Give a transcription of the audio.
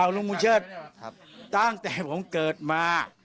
ลุงบุญเชิดตั้งแต่ผมเกิดมา